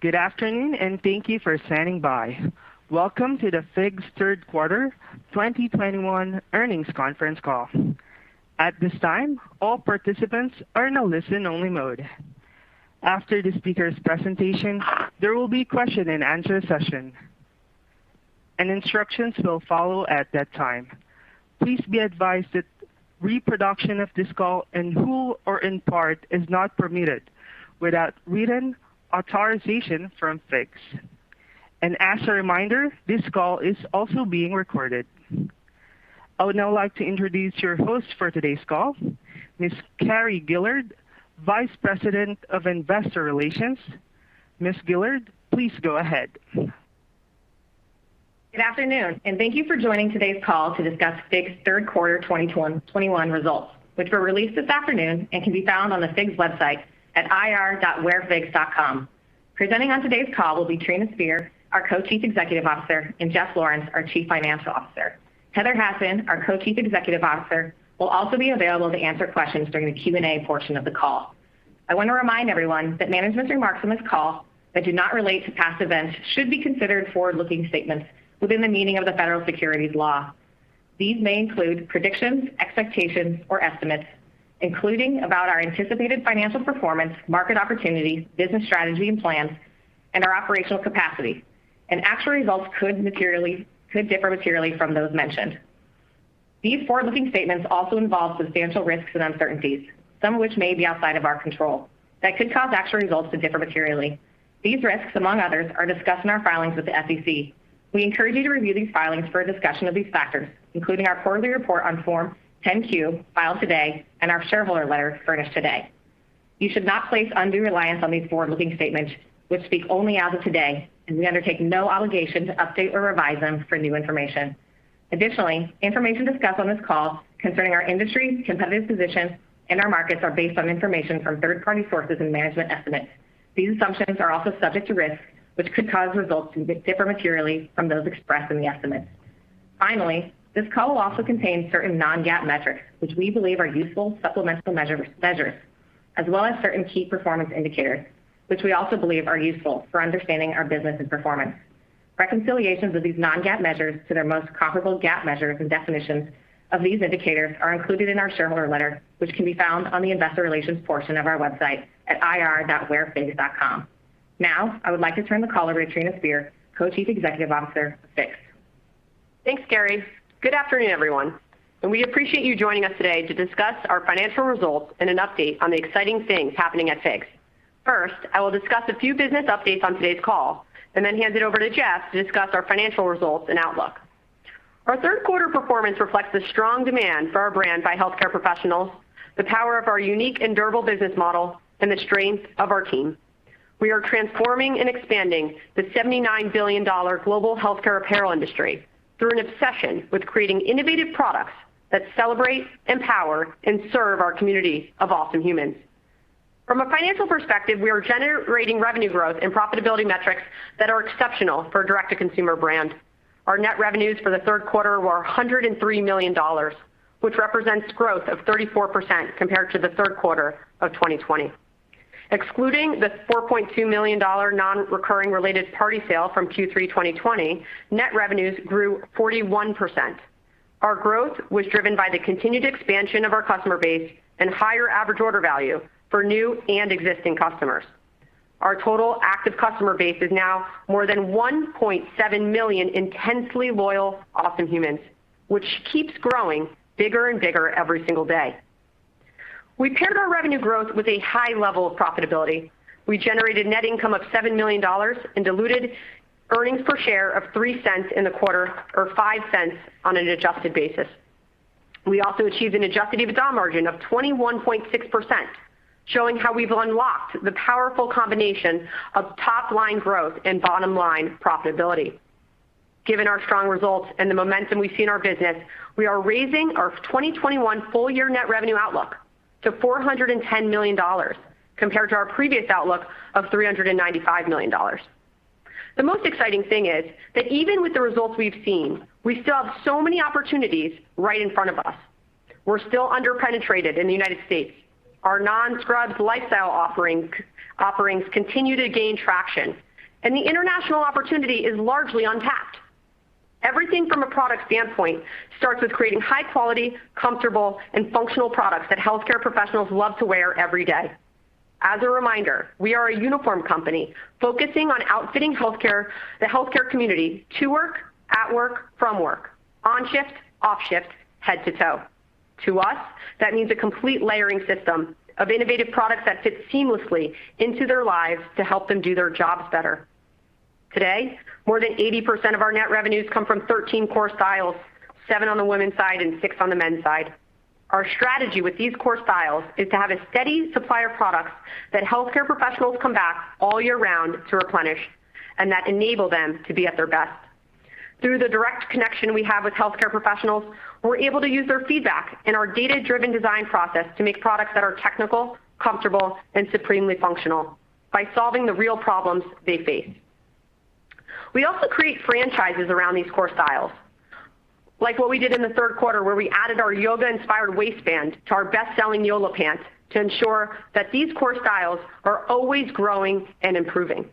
Good afternoon, and thank you for standing by. Welcome to the FIGS Third Quarter 2021 Earnings Conference Call. At this time, all participants are in a listen-only mode. After the speaker's presentation, there will be a question and answer session, and instructions will follow at that time. Please be advised that reproduction of this call in whole or in part is not permitted without written authorization from FIGS. As a reminder, this call is also being recorded. I would now like to introduce your host for today's call, Ms. Carrie Gillard, Vice President of Investor Relations. Ms. Gillard, please go ahead. Good afternoon, and thank you for joining today's call to discuss FIGS Third Quarter 2021 Results, which were released this afternoon and can be found on the FIGS website at ir.wearfigs.com. Presenting on today's call will be Trina Spear, our Co-Chief Executive Officer, and Jeff Lawrence, our Chief Financial Officer. Heather Hasson, our Co-Chief Executive Officer, will also be available to answer questions during the Q&A portion of the call. I want to remind everyone that management's remarks on this call that do not relate to past events should be considered forward-looking statements within the meaning of the federal securities law. These may include predictions, expectations, or estimates, including about our anticipated financial performance, market opportunities, business strategy and plans, and our operational capacity. Actual results could differ materially from those mentioned. These forward-looking statements also involve substantial risks and uncertainties, some of which may be outside of our control, that could cause actual results to differ materially. These risks, among others, are discussed in our filings with the SEC. We encourage you to review these filings for a discussion of these factors, including our quarterly report on Form 10-Q filed today and our shareholder letter furnished today. You should not place undue reliance on these forward-looking statements, which speak only as of today, and we undertake no obligation to update or revise them for new information. Additionally, information discussed on this call concerning our industry, competitive position, and our markets are based on information from third-party sources and management estimates. These assumptions are also subject to risks which could cause results to differ materially from those expressed in the estimates. Finally, this call will also contain certain non-GAAP metrics, which we believe are useful supplemental measures, as well as certain key performance indicators, which we also believe are useful for understanding our business and performance. Reconciliations of these non-GAAP measures to their most comparable GAAP measures and definitions of these indicators are included in our shareholder letter, which can be found on the investor relations portion of our website at ir.wearfigs.com. Now, I would like to turn the call over to Trina Spear, Co-Chief Executive Officer of FIGS. Thanks, Carrie. Good afternoon, everyone. We appreciate you joining us today to discuss our financial results and an update on the exciting things happening at FIGS. First, I will discuss a few business updates on today's call and then hand it over to Jeff to discuss our financial results and outlook. Our third quarter performance reflects the strong demand for our brand by healthcare professionals, the power of our unique and durable business model, and the strength of our team. We are transforming and expanding the $79 billion Global Healthcare Apparel industry through an obsession with creating innovative products that celebrate, empower, and serve our community of awesome humans. From a financial perspective, we are generating revenue growth and profitability metrics that are exceptional for a direct-to-consumer brand. Our net revenues for the third quarter were $103 million, which represents growth of 34% compared to the third quarter of 2020. Excluding the $4.2 million non-recurring related party sale from Q3 2020, net revenues grew 41%. Our growth was driven by the continued expansion of our customer base and higher average order value for new and existing customers. Our total active customer base is now more than 1.7 million intensely loyal, awesome humans, which keeps growing bigger and bigger every single day. We paired our revenue growth with a high level of profitability. We generated net income of $7 million and diluted EPS of $0.03 in the quarter or $0.05 on an adjusted basis. We also achieved an adjusted EBITDA margin of 21.6%, showing how we've unlocked the powerful combination of top-line growth and bottom-line profitability. Given our strong results and the momentum we see in our business, we are raising our 2021 full year net revenue outlook to $410 million compared to our previous outlook of $395 million. The most exciting thing is that even with the results we've seen, we still have so many opportunities right in front of us. We're still under-penetrated in the United States. Our non-scrubs lifestyle offerings continue to gain traction, and the international opportunity is largely untapped. Everything from a product standpoint starts with creating high quality, comfortable, and functional products that healthcare professionals love to wear every day. As a reminder, we are a uniform company focusing on outfitting the healthcare community to work, at work, from work, on shift, off shift, head to toe. To us, that means a complete layering system of innovative products that fit seamlessly into their lives to help them do their jobs better. Today, more than 80% of our net revenues come from 13 core styles, seven on the women's side and six on the men's side. Our strategy with these core styles is to have a steady supply of products that healthcare professionals come back all year round to replenish and that enable them to be at their best. Through the direct connection we have with healthcare professionals, we're able to use their feedback in our data-driven design process to make products that are technical, comfortable, and supremely functional by solving the real problems they face. We also create franchises around these core styles, like what we did in the third quarter, where we added our yoga-inspired waistband to our best-selling Yola pants to ensure that these core styles are always growing and improving.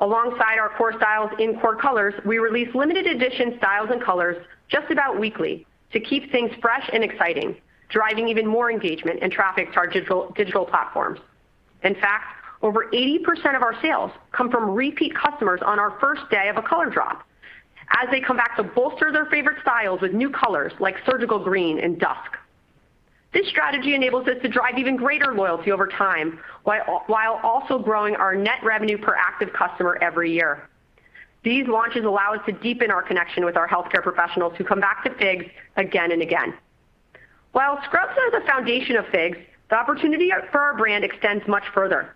Alongside our core styles in core colors, we release limited edition styles and colors just about weekly to keep things fresh and exciting, driving even more engagement and traffic to our digital platforms. In fact, over 80% of our sales come from repeat customers on our first day of a color drop as they come back to bolster their favorite styles with new colors like surgical green and dusk. This strategy enables us to drive even greater loyalty over time, while also growing our net revenue per active customer every year. These launches allow us to deepen our connection with our healthcare professionals who come back to FIGS again and again. While scrubs are the foundation of FIGS, the opportunity for our brand extends much further.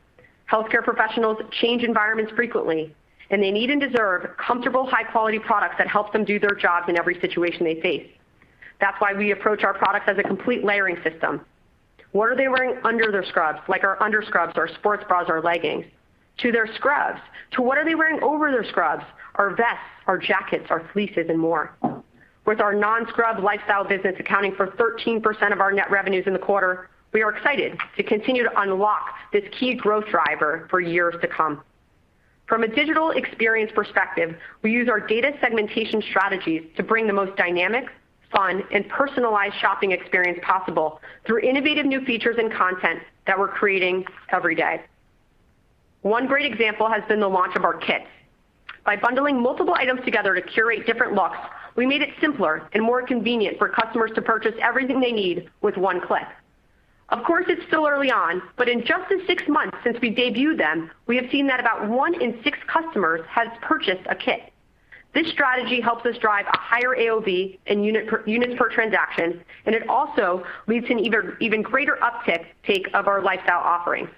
Healthcare professionals change environments frequently, and they need and deserve comfortable, high-quality products that help them do their jobs in every situation they face. That's why we approach our products as a complete layering system. What are they wearing under their scrubs, like our under scrubs, our sports bras, our leggings, to their scrubs, to what are they wearing over their scrubs, our vests, our jackets, our fleeces, and more. With our non-scrub lifestyle business accounting for 13% of our net revenues in the quarter, we are excited to continue to unlock this key growth driver for years to come. From a digital experience perspective, we use our data segmentation strategies to bring the most dynamic, fun, and personalized shopping experience possible through innovative new features and content that we're creating every day. One great example has been the launch of our kits. By bundling multiple items together to curate different looks, we made it simpler and more convenient for customers to purchase everything they need with one click. Of course, it's still early on, but in just the 6 months since we debuted them, we have seen that about 1 in 6 customers has purchased a kit. This strategy helps us drive a higher AOV and unit, units per transaction, and it also leads to an even greater uptick take of our lifestyle offerings.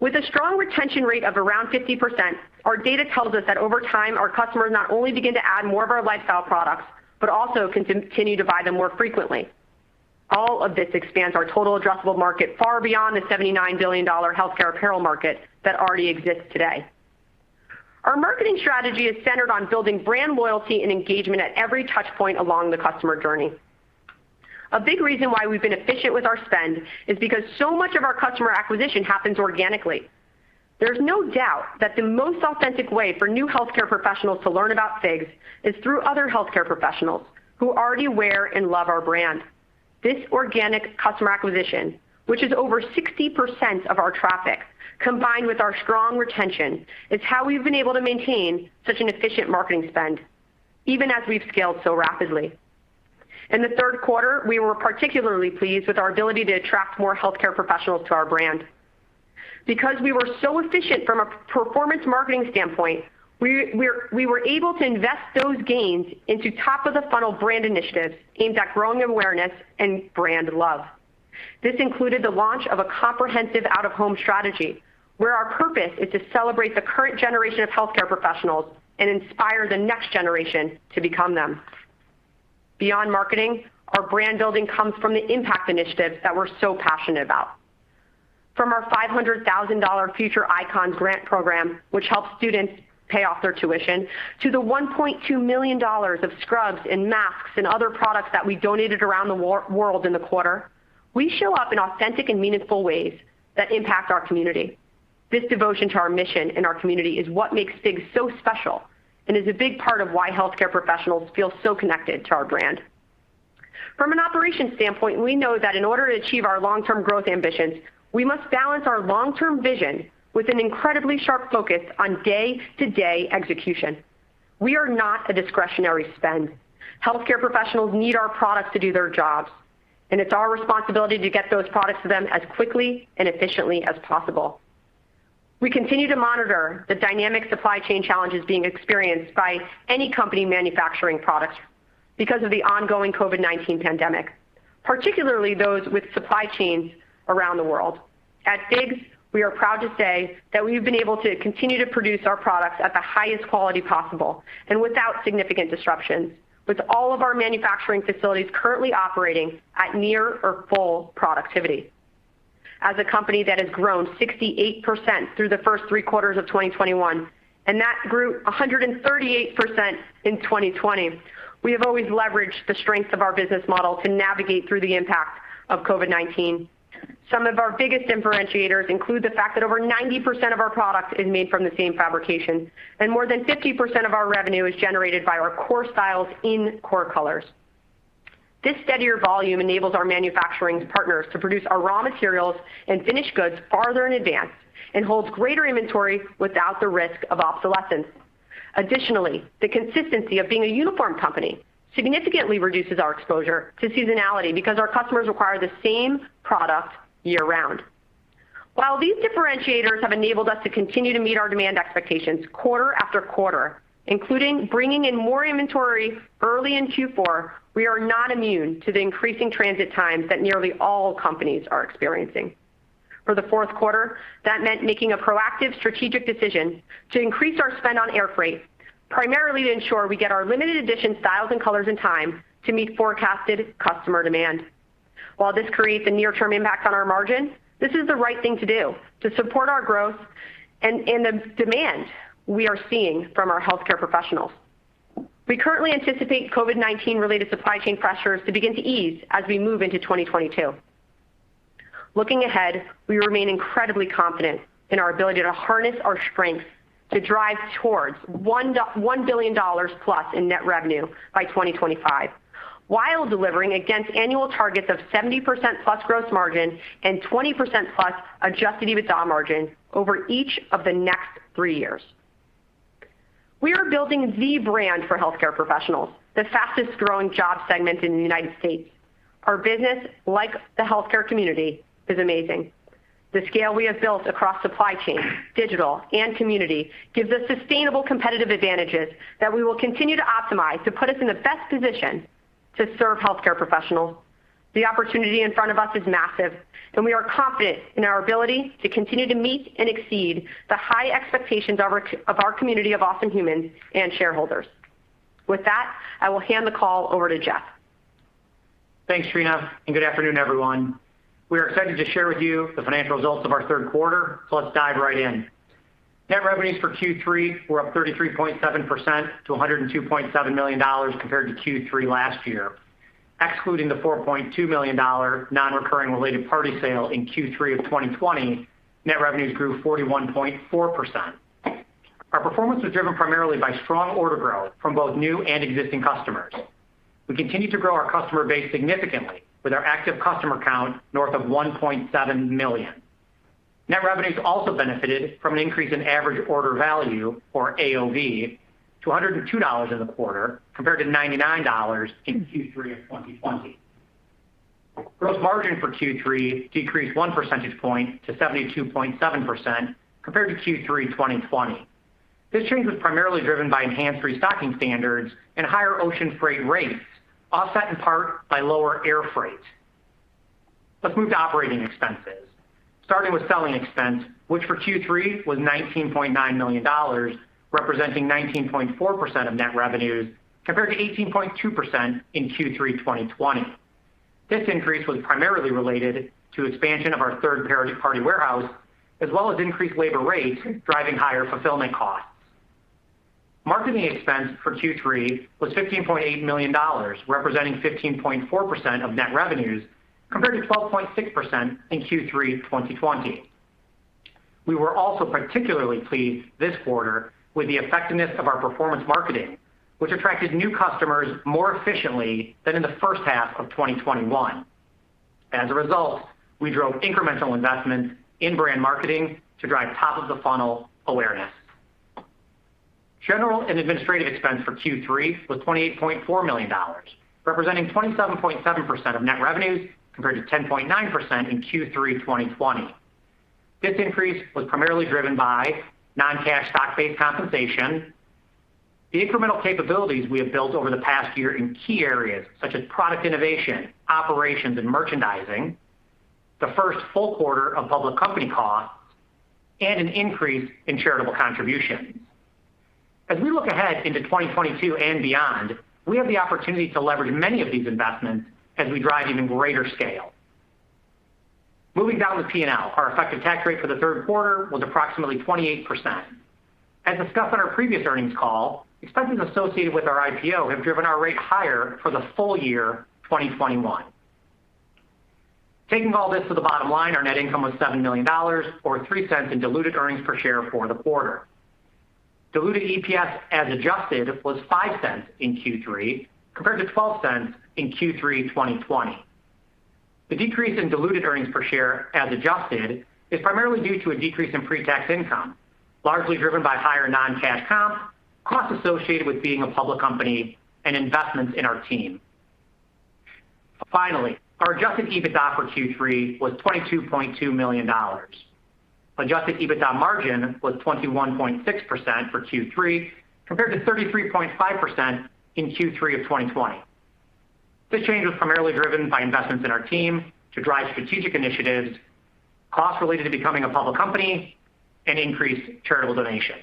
With a strong retention rate of around 50%, our data tells us that over time, our customers not only begin to add more of our lifestyle products, but also continue to buy them more frequently. All of this expands our total addressable market far beyond the $79 billion healthcare apparel market that already exists today. Our marketing strategy is centered on building brand loyalty and engagement at every touch point along the customer journey. A big reason why we've been efficient with our spend is because so much of our customer acquisition happens organically. There's no doubt that the most authentic way for new healthcare professionals to learn about FIGS is through other healthcare professionals who already wear and love our brand. This organic customer acquisition, which is over 60% of our traffic, combined with our strong retention, is how we've been able to maintain such an efficient marketing spend, even as we've scaled so rapidly. In the third quarter, we were particularly pleased with our ability to attract more healthcare professionals to our brand. Because we were so efficient from a performance marketing standpoint, we were able to invest those gains into top-of-the-funnel brand initiatives aimed at growing awareness and brand love. This included the launch of a comprehensive out-of-home strategy, where our purpose is to celebrate the current generation of healthcare professionals and inspire the next generation to become them. Beyond marketing, our brand building comes from the impact initiatives that we're so passionate about. From our $500,000 Future Icons grant program, which helps students pay off their tuition, to the $1.2 million of scrubs and masks and other products that we donated around the world in the quarter, we show up in authentic and meaningful ways that impact our community. This devotion to our mission and our community is what makes FIGS so special and is a big part of why healthcare professionals feel so connected to our brand. From an operations standpoint, we know that in order to achieve our long-term growth ambitions, we must balance our long-term vision with an incredibly sharp focus on day-to-day execution. We are not a discretionary spend. Healthcare professionals need our products to do their jobs, and it's our responsibility to get those products to them as quickly and efficiently as possible. We continue to monitor the dynamic supply chain challenges being experienced by any company manufacturing products because of the ongoing COVID-19 pandemic, particularly those with supply chains around the world. At FIGS, we are proud to say that we've been able to continue to produce our products at the highest quality possible and without significant disruptions, with all of our manufacturing facilities currently operating at near or full productivity. As a company that has grown 68% through the first three quarters of 2021, and that grew 138% in 2020, we have always leveraged the strength of our business model to navigate through the impact of COVID-19. Some of our biggest differentiators include the fact that over 90% of our product is made from the same fabrication, and more than 50% of our revenue is generated by our core styles in core colors. This steadier volume enables our manufacturing partners to produce our raw materials and finished goods farther in advance and holds greater inventory without the risk of obsolescence. Additionally, the consistency of being a uniform company significantly reduces our exposure to seasonality because our customers require the same product year-round. While these differentiators have enabled us to continue to meet our demand expectations quarter-after-quarter, including bringing in more inventory early in Q4, we are not immune to the increasing transit times that nearly all companies are experiencing. For the fourth quarter, that meant making a proactive strategic decision to increase our spend on air freight, primarily to ensure we get our limited edition styles and colors in time to meet forecasted customer demand. While this creates a near-term impact on our margin, this is the right thing to do to support our growth and the demand we are seeing from our healthcare professionals. We currently anticipate COVID-19 related supply chain pressures to begin to ease as we move into 2022. Looking ahead, we remain incredibly confident in our ability to harness our strengths to drive towards $1 billion plus in net revenue by 2025, while delivering against annual targets of 70% plus gross margin and 20% plus adjusted EBITDA margin over each of the next three years. We are building the brand for healthcare professionals, the fastest growing job segment in the United States. Our business, like the healthcare community, is amazing. The scale we have built across supply chain, digital, and community gives us sustainable competitive advantages that we will continue to optimize to put us in the best position to serve healthcare professionals. The opportunity in front of us is massive, and we are confident in our ability to continue to meet and exceed the high expectations of our community of awesome humans and shareholders. With that, I will hand the call over to Jeff. Thanks, Trina, and good afternoon, everyone. We are excited to share with you the financial results of our third quarter, so let's dive right in. Net revenues for Q3 were up 33.7% to $102.7 million compared to Q3 last year. Excluding the $4.2 million non-recurring related party sale in Q3 of 2020, net revenues grew 41.4%. Our performance was driven primarily by strong order growth from both new and existing customers. We continue to grow our customer base significantly with our active customer count north of 1.7 million. Net revenues also benefited from an increase in average order value or AOV to $102 in the quarter compared to $99 in Q3 of 2020./ Gross margin for Q3 decreased 1 percentage point to 72.7% compared to Q3 2020. This change was primarily driven by enhanced restocking standards and higher ocean freight rates, offset in part by lower air freight. Let's move to operating expenses, starting with selling expense, which for Q3 was $19.9 million, representing 19.4% of net revenues, compared to 18.2% in Q3 2020. This increase was primarily related to expansion of our third-party warehouse, as well as increased labor rates, driving higher fulfillment costs. Marketing expense for Q3 was $15.8 million, representing 15.4% of net revenues, compared to 12.6% in Q3 2020. We were also particularly pleased this quarter with the effectiveness of our performance marketing, which attracted new customers more efficiently than in the first half of 2021. As a result, we drove incremental investments in brand marketing to drive top of the funnel awareness. General and administrative expense for Q3 was $28.4 million, representing 27.7% of net revenues, compared to 10.9% in Q3 2020. This increase was primarily driven by non-cash stock-based compensation, the incremental capabilities we have built over the past year in key areas such as product innovation, operations, and merchandising, the first full quarter of public company costs, and an increase in charitable contributions. As we look ahead into 2022 and beyond, we have the opportunity to leverage many of these investments as we drive even greater scale. Moving down to P&L. Our effective tax rate for the third quarter was approximately 28%. As discussed on our previous earnings call, expenses associated with our IPO have driven our rate higher for the full year, 2021. Taking all this to the bottom line, our net income was $7 million, or $0.03 in diluted earnings per share for the quarter. Diluted EPS as adjusted was $0.05 in Q3 compared to $0.12 in Q3 2020. The decrease in diluted earnings per share as adjusted is primarily due to a decrease in pre-tax income, largely driven by higher non-cash comp, costs associated with being a public company, and investments in our team. Finally, our adjusted EBITDA for Q3 was $22.2 million. Adjusted EBITDA margin was 21.6% for Q3 compared to 33.5% in Q3 of 2020. This change was primarily driven by investments in our team to drive strategic initiatives, costs related to becoming a public company, and increased charitable donations.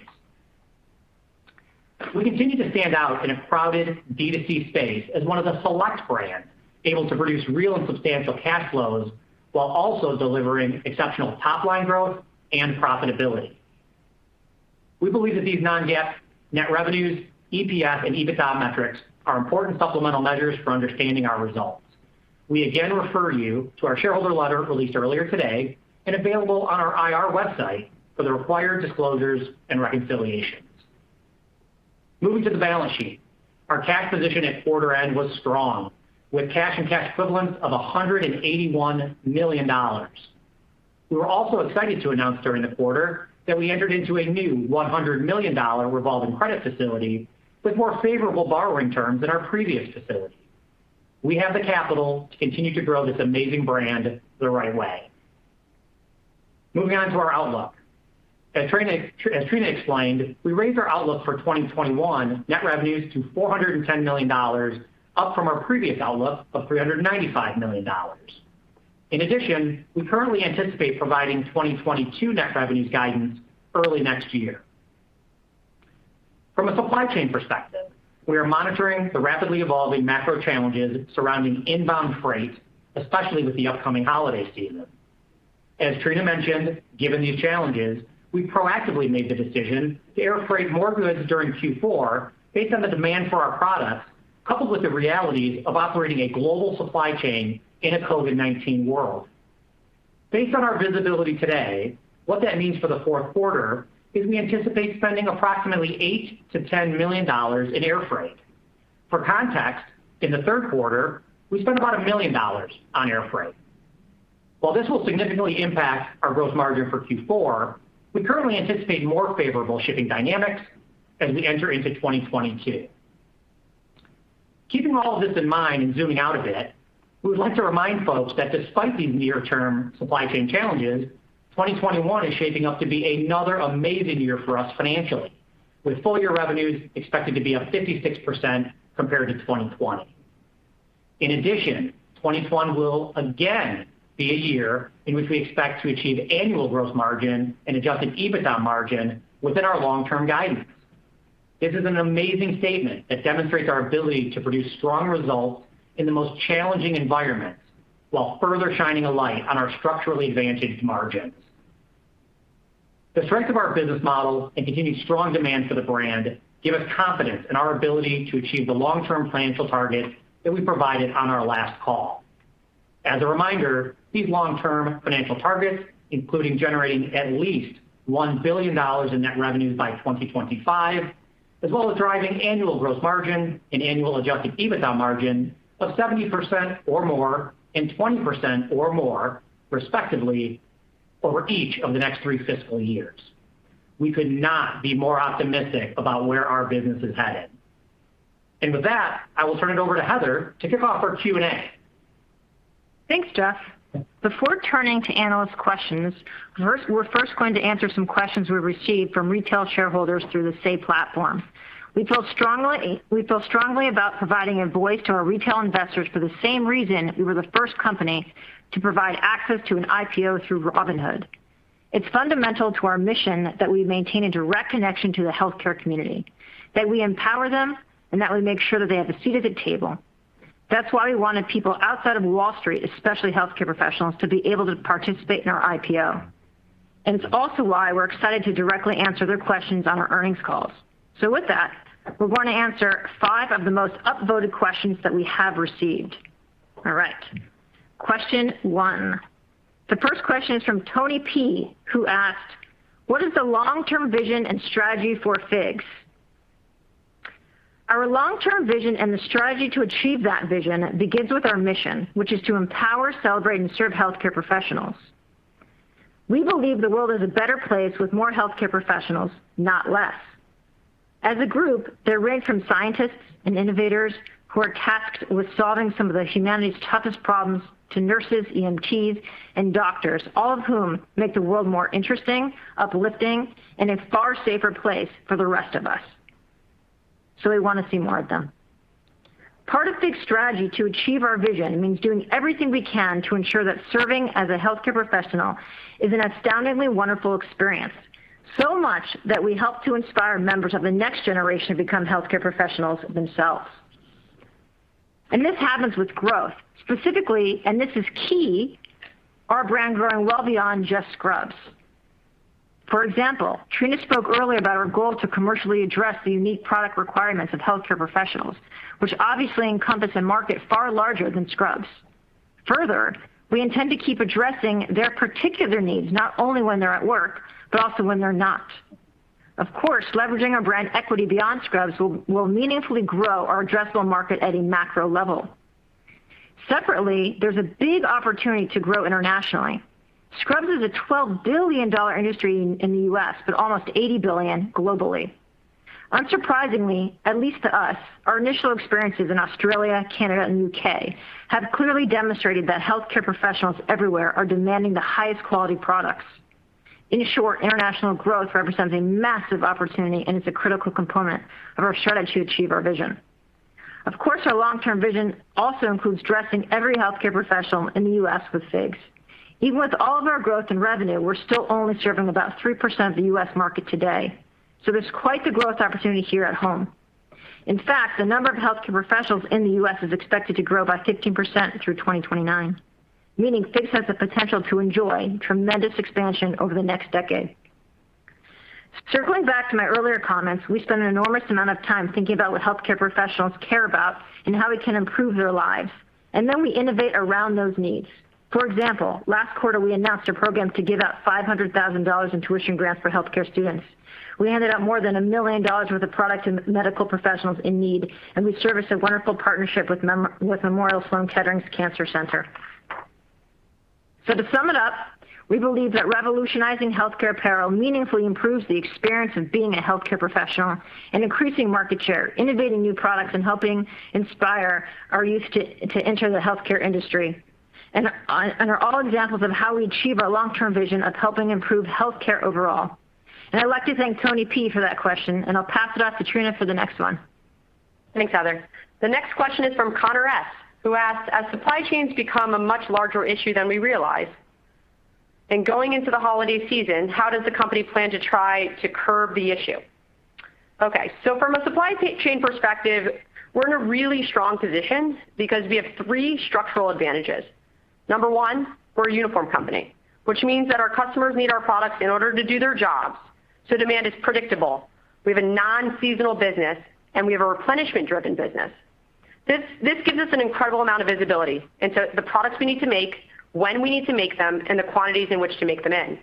We continue to stand out in a crowded D2C space as one of the select brands able to produce real and substantial cash flows while also delivering exceptional top-line growth and profitability. We believe that these non-GAAP net revenues, EPS, and EBITDA metrics are important supplemental measures for understanding our results. We again refer you to our shareholder letter released earlier today and available on our ir website for the required disclosures and reconciliations. Moving to the balance sheet. Our cash position at quarter end was strong, with cash and cash equivalents of $181 million. We were also excited to announce during the quarter that we entered into a new $100 million revolving credit facility with more favorable borrowing terms than our previous facility. We have the capital to continue to grow this amazing brand the right way. Moving on to our outlook. As Trina explained, we raised our outlook for 2021 net revenues to $410 million, up from our previous outlook of $395 million. In addition, we currently anticipate providing 2022 net revenues guidance early next year. From a supply chain perspective, we are monitoring the rapidly evolving macro challenges surrounding inbound freight, especially with the upcoming holiday season. As Trina mentioned, given these challenges, we proactively made the decision to air freight more goods during Q4 based on the demand for our products, coupled with the realities of operating a global supply chain in a COVID-19 world. Based on our visibility today, what that means for the fourth quarter is we anticipate spending approximately $8 million-$10 million in air freight. For context, in the third quarter, we spent about $1 million on air freight. While this will significantly impact our gross margin for Q4, we currently anticipate more favorable shipping dynamics as we enter into 2022. Keeping all of this in mind and zooming out a bit, we would like to remind folks that despite these near-term supply chain challenges, 2021 is shaping up to be another amazing year for us financially, with full year revenues expected to be up 56% compared to 2020. In addition, 2021 will again be a year in which we expect to achieve annual gross margin and adjusted EBITDA margin within our long-term guidance. This is an amazing statement that demonstrates our ability to produce strong results in the most challenging environments while further shining a light on our structurally advantaged margins. The strength of our business model and continued strong demand for the brand give us confidence in our ability to achieve the long-term financial targets that we provided on our last call. As a reminder, these long-term financial targets, including generating at least $1 billion in net revenues by 2025, as well as driving annual gross margin and annual adjusted EBITDA margin of 70% or more and 20% or more, respectively, over each of the next three fiscal years. We could not be more optimistic about where our business is headed. With that, I will turn it over to Heather to kick off our Q&A. Thanks, Jeff. Before turning to analyst questions, first, we're first going to answer some questions we received from retail shareholders through the Say platform. We feel strongly about providing a voice to our retail investors for the same reason we were the first company to provide access to an IPO through Robinhood. It's fundamental to our mission that we maintain a direct connection to the healthcare community, that we empower them, and that we make sure that they have a seat at the table. That's why we wanted people outside of Wall Street, especially healthcare professionals, to be able to participate in our IPO. It's also why we're excited to directly answer their questions on our earnings calls. With that, we're going to answer five of the most upvoted questions that we have received. All right. Question one. The first question is from Tony P, who asked, "What is the long-term vision and strategy for FIGS?" Our long-term vision and the strategy to achieve that vision begins with our mission, which is to empower, celebrate, and serve healthcare professionals. We believe the world is a better place with more healthcare professionals, not less. As a group, they're ranked from scientists and innovators who are tasked with solving some of humanity's toughest problems to nurses, EMTs, and doctors, all of whom make the world more interesting, uplifting, and a far safer place for the rest of us. We wanna see more of them. Part of FIGS' strategy to achieve our vision means doing everything we can to ensure that serving as a healthcare professional is an astoundingly wonderful experience, so much that we help to inspire members of the next generation to become healthcare professionals themselves. This happens with growth. Specifically, this is key, our brand growing well beyond just scrubs. For example, Trina spoke earlier about our goal to commercially address the unique product requirements of healthcare professionals, which obviously encompass a market far larger than scrubs. Further, we intend to keep addressing their particular needs, not only when they're at work, but also when they're not. Of course, leveraging our brand equity beyond scrubs will meaningfully grow our addressable market at a macro level. Separately, there's a big opportunity to grow internationally. Scrubs is a $12 billion industry in the U.S., but almost $80 billion globally. Unsurprisingly, at least to us, our initial experiences in Australia, Canada, and U.K. have clearly demonstrated that healthcare professionals everywhere are demanding the highest quality products. In short, international growth represents a massive opportunity, and it's a critical component of our strategy to achieve our vision. Of course, our long-term vision also includes dressing every healthcare professional in the U.S. with FIGS. Even with all of our growth and revenue, we're still only serving about 3% of the U.S. market today. There's quite the growth opportunity here at home. In fact, the number of healthcare professionals in the U.S. is expected to grow by 15% through 2029, meaning FIGS has the potential to enjoy tremendous expansion over the next decade. Circling back to my earlier comments, we spend an enormous amount of time thinking about what healthcare professionals care about and how we can improve their lives, and then we innovate around those needs. For example, last quarter, we announced a program to give out $500,000 in tuition grants for healthcare students. We handed out more than $1 million worth of product to medical professionals in need, and we serviced a wonderful partnership with Memorial Sloan Kettering Cancer Center. To sum it up, we believe that revolutionizing healthcare apparel meaningfully improves the experience of being a healthcare professional and increasing market share, innovating new products, and helping inspire our youth to enter the Healthcare industry, are all examples of how we achieve our long-term vision of helping improve healthcare overall. I'd like to thank Tony P for that question, and I'll pass it off to Trina for the next one. Thanks, Heather. The next question is from Connor S, who asks, "As supply chains become a much larger issue than we realize. Going into the holiday season, how does the company plan to try to curb the issue? Okay, from a supply chain perspective, we're in a really strong position because we have three structural advantages. Number one, we're a uniform company, which means that our customers need our products in order to do their jobs, so demand is predictable. We have a non-seasonal business, and we have a replenishment-driven business. This gives us an incredible amount of visibility into the products we need to make, when we need to make them, and the quantities in which to make them in.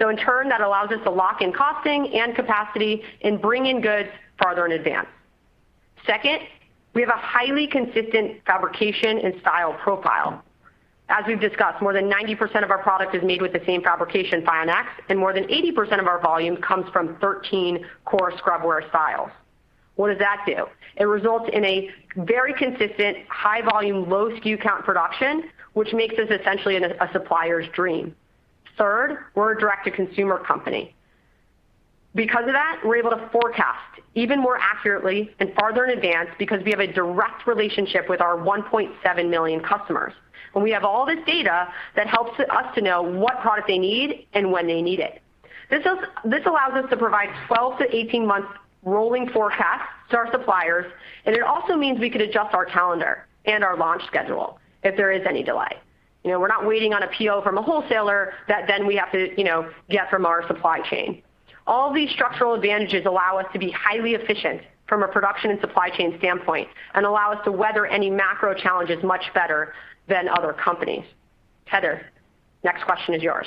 In turn, that allows us to lock in costing and capacity and bring in goods farther in advance. Second, we have a highly consistent fabrication and style profile. As we've discussed, more than 90% of our product is made with the same fabrication, FIONx, and more than 80% of our volume comes from 13 core scrub wear styles. What does that do? It results in a very consistent, high volume, low SKU count production, which makes us essentially a supplier's dream. Third, we're a direct-to-consumer company. Because of that, we're able to forecast even more accurately and farther in advance because we have a direct relationship with our 1.7 million customers. We have all this data that helps us to know what product they need and when they need it. This allows us to provide 12-18-month rolling forecasts to our suppliers, and it also means we could adjust our calendar and our launch schedule if there is any delay. You know, we're not waiting on a PO from a wholesaler that then we have to, you know, get from our supply chain. All these structural advantages allow us to be highly efficient from a production and supply chain standpoint and allow us to weather any macro challenges much better than other companies. Heather, next question is yours.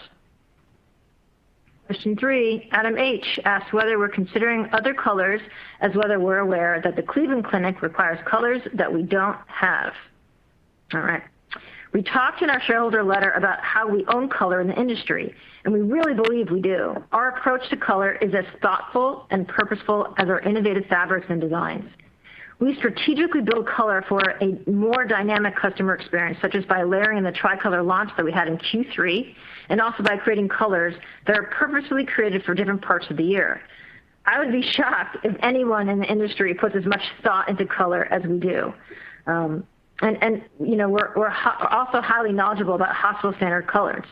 Question three, Adam H. asks whether we're considering other colors, and whether we're aware that the Cleveland Clinic requires colors that we don't have. All right. We talked in our shareholder letter about how we own color in the industry, and we really believe we do. Our approach to color is as thoughtful and purposeful as our innovative fabrics and designs. We strategically build color for a more dynamic customer experience, such as by layering the tri-color launch that we had in Q3, and also by creating colors that are purposefully created for different parts of the year. I would be shocked if anyone in the industry puts as much thought into color as we do. We're also highly knowledgeable about hospital standard colors.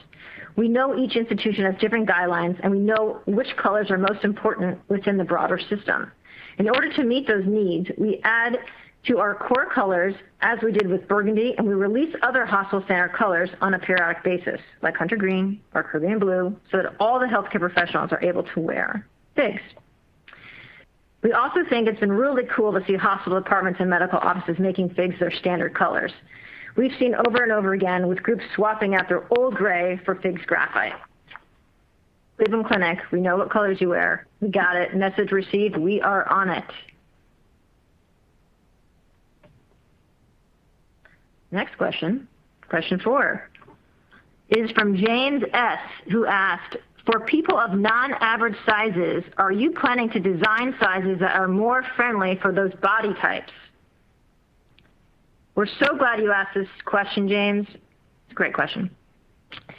We know each institution has different guidelines, and we know which colors are most important within the broader system. In order to meet those needs, we add to our core colors, as we did with burgundy, and we release other hospital standard colors on a periodic basis, like hunter green or Caribbean blue, so that all the healthcare professionals are able to wear FIGS. We also think it's been really cool to see hospital departments and medical offices making FIGS their standard colors. We've seen over and over again with groups swapping out their old gray for FIGS graphite. Cleveland Clinic, we know what colors you wear. We got it. Message received. We are on it. Next question four is from James S, who asked, "For people of non-average sizes, are you planning to design sizes that are more friendly for those body types?" We're so glad you asked this question, James. It's a great question.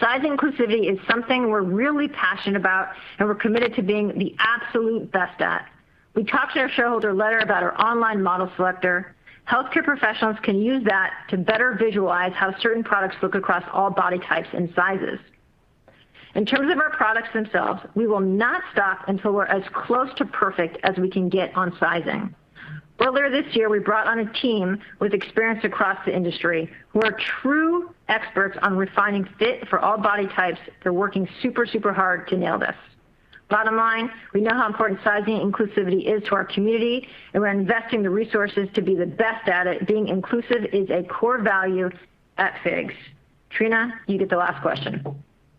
Size inclusivity is something we're really passionate about and we're committed to being the absolute best at. We talked to our shareholder letter about our online model selector. Healthcare professionals can use that to better visualize how certain products look across all body types and sizes. In terms of our products themselves, we will not stop until we're as close to perfect as we can get on sizing. Earlier this year, we brought on a team with experience across the industry who are true experts on refining fit for all body types. They're working super hard to nail this. Bottom line, we know how important sizing inclusivity is to our community, and we're investing the resources to be the best at it. Being inclusive is a core value at FIGS. Trina, you get the last question.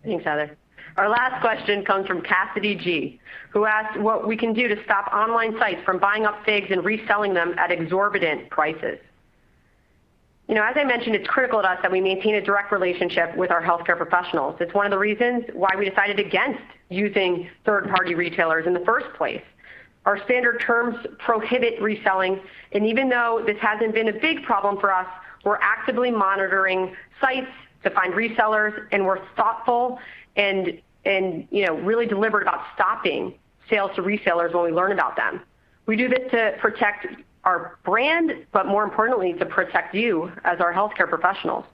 Thanks, Heather. Our last question comes from Cassidy G, who asked what we can do to stop online sites from buying up FIGS and reselling them at exorbitant prices. You know, as I mentioned, it's critical to us that we maintain a direct relationship with our healthcare professionals. It's one of the reasons why we decided against using third-party retailers in the first place. Our standard terms prohibit reselling, and even though this hasn't been a big problem for us, we're actively monitoring sites to find resellers, and we're thoughtful and, you know, really deliberate about stopping sales to resellers when we learn about them. We do this to protect our brand, but more importantly, to protect you as our healthcare professionals.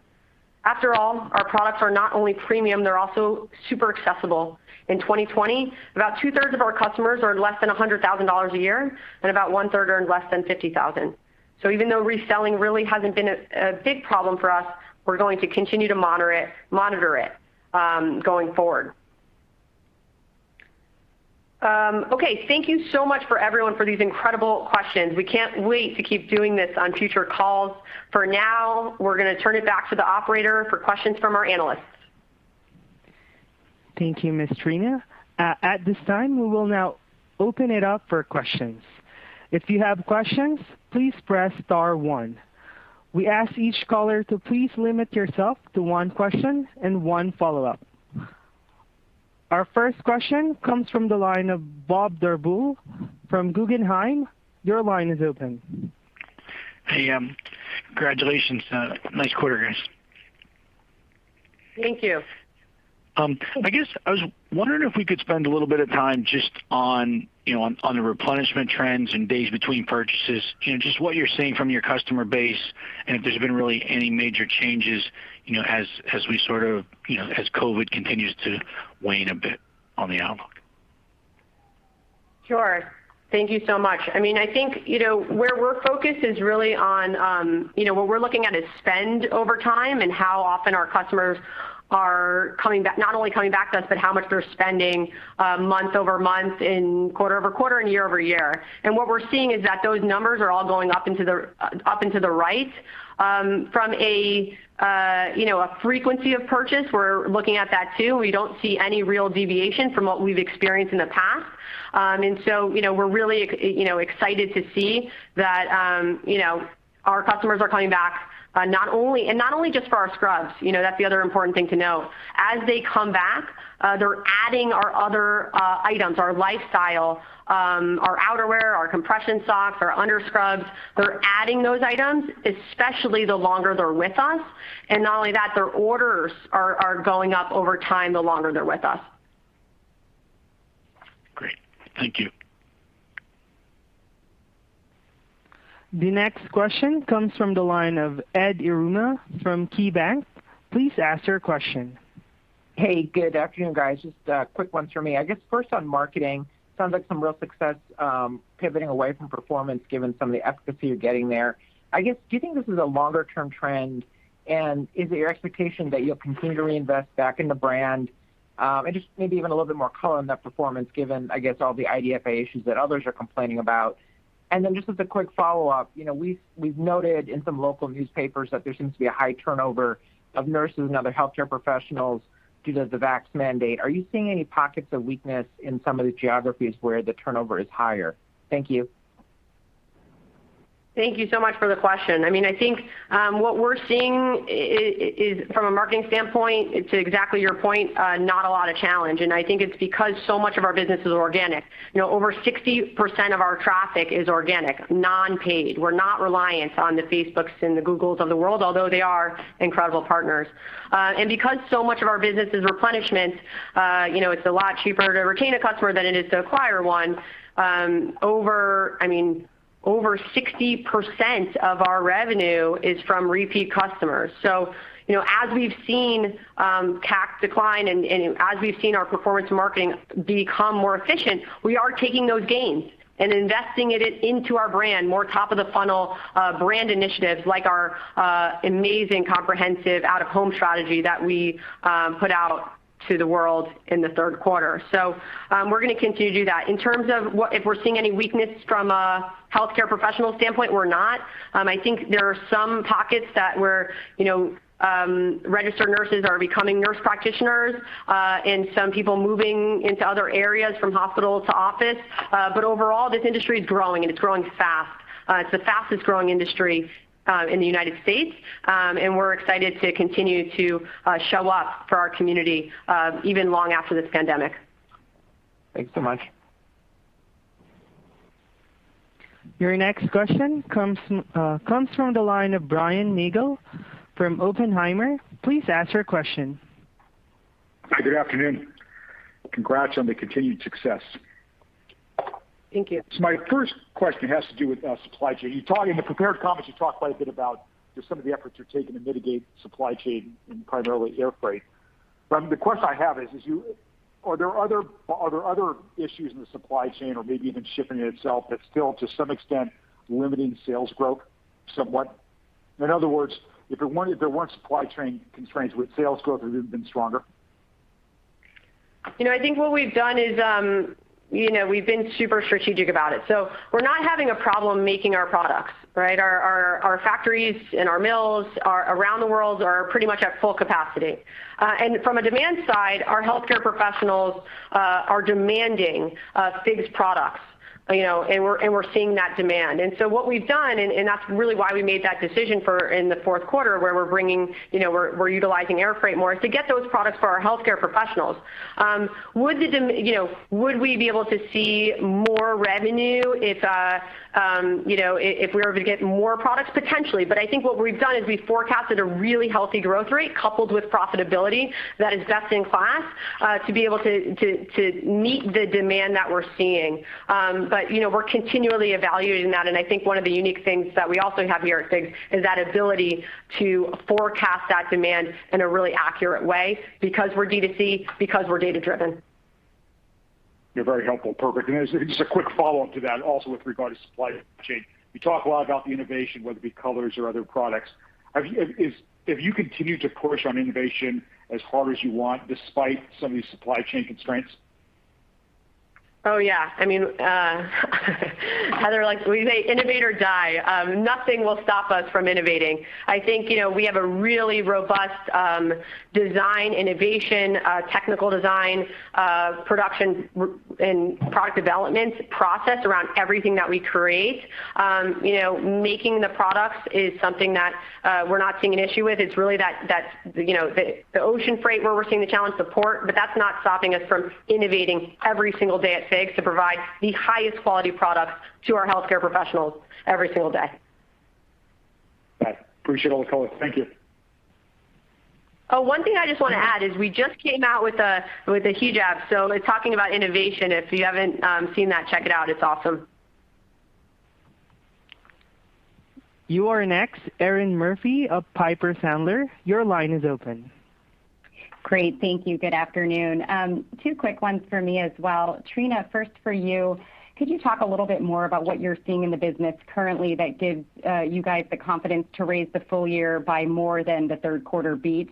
After all, our products are not only premium, they're also super accessible. In 2020, about two-thirds of our customers earned less than $100,000 a year, and about one-third earned less than $50,000. Even though reselling really hasn't been a big problem for us, we're going to continue to monitor it going forward. Okay, thank you so much for everyone for these incredible questions. We can't wait to keep doing this on future calls. For now, we're gonna turn it back to the operator for questions from our analysts. Thank you, Ms. Trina. At this time, we will now open it up for questions. If you have questions, please press star one. We ask each caller to please limit yourself to one question and one follow-up. Our first question comes from the line of Bob Drbul from Guggenheim. Your line is open. Hey, congratulations. Nice quarter, guys. Thank you. I guess I was wondering if we could spend a little bit of time just on, you know, on the replenishment trends and days between purchases. You know, just what you're seeing from your customer base, and if there's been really any major changes, you know, as we sort of, you know, as COVID continues to wane a bit on the outlook. Sure. Thank you so much. I mean, I think, you know, where we're focused is really on, you know, what we're looking at is spend over time and how often our customers are coming back, not only coming back to us, but how much they're spending, month-over-month and quarter-over-quarter and year-over-year. What we're seeing is that those numbers are all going up into the up and to the right, from a you know, a frequency of purchase. We're looking at that too. We don't see any real deviation from what we've experienced in the past. You know, we're really, you know, excited to see that, you know, our customers are coming back, not only just for our scrubs. You know, that's the other important thing to know. As they come back, they're adding our other items, our lifestyle, our outerwear, our compression socks, our under scrubs. They're adding those items, especially the longer they're with us, and not only that, their orders are going up over time, the longer they're with us. Great. Thank you. The next question comes from the line of Ed Yruma from KeyBanc. Please ask your question. Hey, good afternoon, guys. Just a quick one from me. I guess first on marketing, sounds like some real success pivoting away from performance, given some of the efficacy you're getting there. I guess, do you think this is a longer term trend? Is it your expectation that you'll continue to reinvest back in the brand? Just maybe even a little bit more color on that performance, given, I guess, all the IDFA issues that others are complaining about. Just as a quick follow-up, you know, we've noted in some local newspapers that there seems to be a high turnover of nurses and other healthcare professionals due to the vax mandate. Are you seeing any pockets of weakness in some of the geographies where the turnover is higher? Thank you. Thank you so much for the question. I mean, I think what we're seeing is from a marketing standpoint, to exactly your point, not a lot of challenge. I think it's because so much of our business is organic. You know, over 60% of our traffic is organic, non-paid. We're not reliant on the Facebooks and the Googles of the world, although they are incredible partners. Because so much of our business is replenishment, you know, it's a lot cheaper to retain a customer than it is to acquire one. I mean, over 60% of our revenue is from repeat customers. As we've seen CAC decline and as we've seen our performance marketing become more efficient, we are taking those gains and investing it into our brand, more top of the funnel, brand initiatives like our amazing comprehensive out-of-home strategy that we put out to the world in the third quarter. We're gonna continue to do that. In terms of if we're seeing any weakness from a healthcare professional standpoint, we're not. I think there are some pockets where registered nurses are becoming nurse practitioners, and some people moving into other areas from hospital to office. But overall, this industry is growing, and it's growing fast. It's the fastest growing industry in the United States. We're excited to continue to show up for our community, even long after this pandemic. Thanks so much. Your next question comes from the line of Brian Nagel from Oppenheimer. Please ask your question. Good afternoon. Congrats on the continued success. Thank you. My first question has to do with supply chain. In the prepared comments, you talked quite a bit about just some of the efforts you're taking to mitigate supply chain and primarily air freight. The question I have is, are there other issues in the supply chain or maybe even shipping itself that's still to some extent limiting sales growth somewhat? In other words, if there weren't supply chain constraints, would sales growth have been stronger? You know, I think what we've done is, you know, we've been super strategic about it. We're not having a problem making our products, right? Our factories and our mills around the world are pretty much at full capacity. And from a demand side, our healthcare professionals are demanding FIGS products, you know, and we're seeing that demand. What we've done, and that's really why we made that decision in the fourth quarter, where we're bringing, you know, we're utilizing air freight more, is to get those products for our healthcare professionals. Would we be able to see more revenue if, you know, if we were to get more products? Potentially. I think what we've done is we forecasted a really healthy growth rate coupled with profitability that is best in class to be able to meet the demand that we're seeing. You know, we're continually evaluating that, and I think one of the unique things that we also have here at FIG is that ability to forecast that demand in a really accurate way because we're D2C, because we're data-driven. You're very helpful. Perfect. Just a quick follow-up to that also with regards to supply chain. You talk a lot about the innovation, whether it be colors or other products. Is if you continue to push on innovation as hard as you want, despite some of these supply chain constraints? Oh, yeah. I mean, we say innovate or die. Nothing will stop us from innovating. I think, you know, we have a really robust design innovation, technical design, production and product development process around everything that we create. You know, making the products is something that we're not seeing an issue with. It's really that, you know, the ocean freight where we're seeing the challenge, the port, but that's not stopping us from innovating every single day at FIGS to provide the highest quality products to our healthcare professionals every single day. Got it. Appreciate all the color. Thank you. Oh, one thing I just want to add is we just came out with a hijab. Talking about innovation, if you haven't seen that, check it out. It's awesome. You are next, Erinn Murphy of Piper Sandler. Your line is open. Great. Thank you. Good afternoon. Two quick ones for me as well. Trina, first for you. Could you talk a little bit more about what you're seeing in the business currently that gives you guys the confidence to raise the full year by more than the third quarter beat?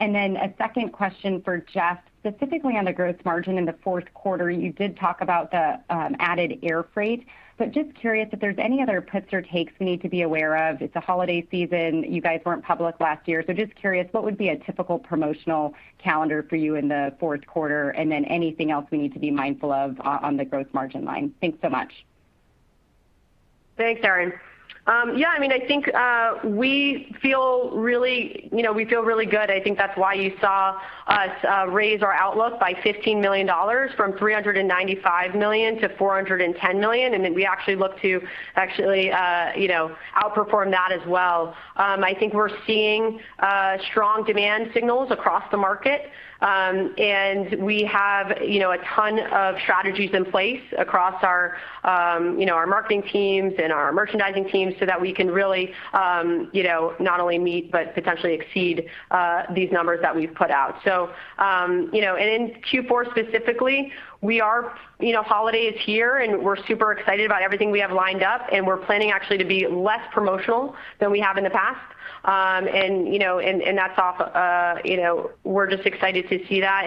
Then a second question for Jeff, specifically on the gross margin in the fourth quarter. You did talk about the added air freight, but just curious if there's any other puts or takes we need to be aware of. It's a holiday season. You guys weren't public last year, so just curious what would be a typical promotional calendar for you in the fourth quarter, and then anything else we need to be mindful of on the gross margin line. Thanks so much. Thanks, Erinn. Yeah, I mean, I think we feel really, you know, we feel really good. I think that's why you saw us raise our outlook by $15 million from $395 million-$410 million. Then we actually look to actually outperform that as well. I think we're seeing strong demand signals across the market, and we have, you know, a ton of strategies in place across our, you know, our marketing teams and our merchandising teams so that we can really, you know, not only meet, but potentially exceed these numbers that we've put out. In Q4 specifically, we are. You know, holiday is here, and we're super excited about everything we have lined up, and we're planning actually to be less promotional than we have in the past. We're just excited to see that.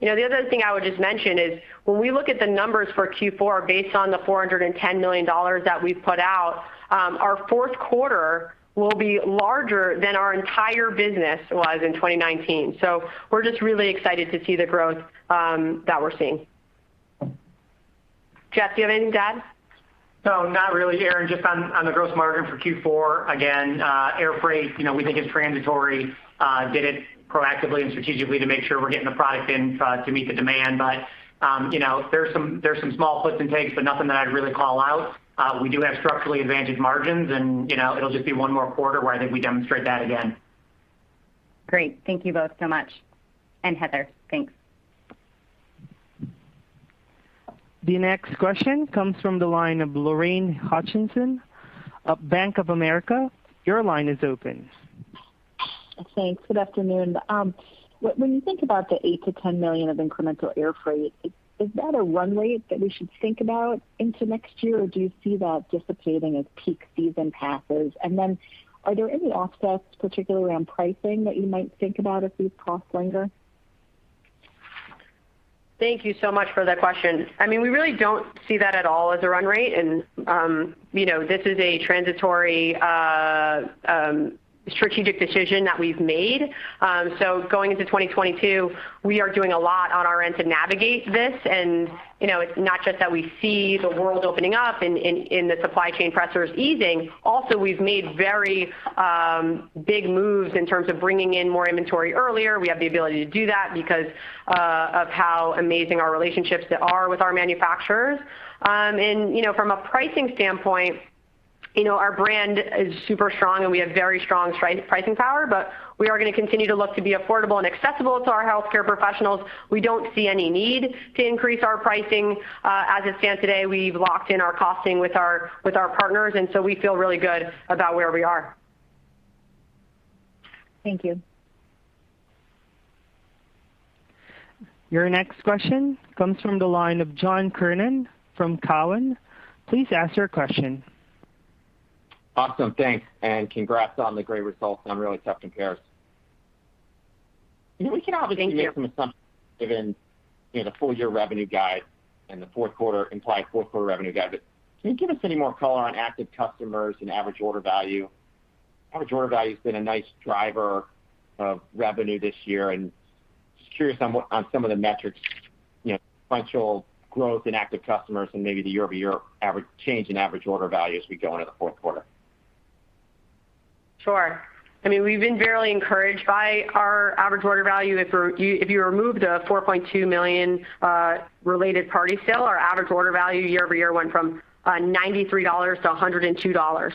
The other thing I would just mention is, when we look at the numbers for Q4 based on the $410 million that we've put out, our fourth quarter will be larger than our entire business was in 2019. We're just really excited to see the growth that we're seeing. Jeff, do you have anything to add? No, not really, Erinn. Just on the gross margin for Q4, again, air freight, you know, we think is transitory. Did it proactively and strategically to make sure we're getting the product in to meet the demand. You know, there's some small puts and takes, but nothing that I'd really call out. We do have structurally advantaged margins, and, you know, it'll just be one more quarter where I think we demonstrate that again. Great. Thank you both so much. Heather, thanks. The next question comes from the line of Lorraine Hutchinson of Bank of America. Your line is open. Thanks. Good afternoon. When you think about the $8 million-$10 million of incremental air freight, is that a run rate that we should think about into next year, or do you see that dissipating as peak season passes? Are there any offsets, particularly around pricing, that you might think about if these costs linger? Thank you so much for that question. I mean, we really don't see that at all as a run rate. You know, this is a transitory strategic decision that we've made. Going into 2022, we are doing a lot on our end to navigate this. You know, it's not just that we see the world opening up and the supply chain pressures easing, also, we've made very big moves in terms of bringing in more inventory earlier. We have the ability to do that because of how amazing our relationships are with our manufacturers. You know, from a pricing standpoint, you know, our brand is super strong, and we have very strong pricing power, but we are gonna continue to look to be affordable and accessible to our healthcare professionals. We don't see any need to increase our pricing. As it stands today, we've locked in our costing with our partners, and so we feel really good about where we are. Thank you. Your next question comes from the line of John Kernan from Cowen. Please ask your question. Awesome. Thanks. Congrats on the great results, and I'm really tough comps. Thank you. We can obviously make some assumptions given, you know, the full year revenue guide and the fourth quarter implied fourth quarter revenue guide, but can you give us any more color on active customers and average order value? Average order value has been a nice driver of revenue this year, and just curious on what on some of the metrics, you know, sequential growth in active customers and maybe the year-over-year average change in average order value as we go into the fourth quarter. Sure. I mean, we've been really encouraged by our average order value. If you remove the $4.2 million related party sale, our average order value year-over-year went from $93 to $102.